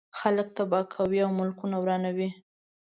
خلک تباه کوي او ملکونه ورانوي.